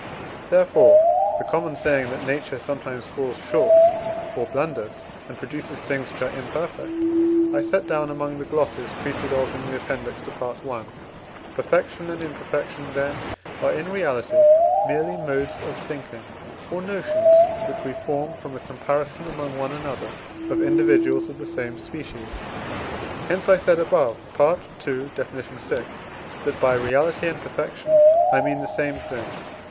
Therefore, the common saying that Nature sometimes falls short, or blunders, and produces things which are imperfect, I set down among the glosses treated of in the Appendix to Part I. Perfection and imperfection, then, are in reality merely modes of thinking, or notions which we form from a comparison among one another of individuals of the same species; hence I said above (II. Def. vi.), that by reality and perfection I mean the same thing.